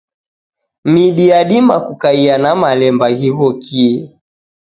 Midi yadima kukaia na malemba ghighokie.